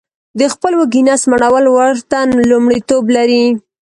د خپل وږي نس مړول ورته لمړیتوب لري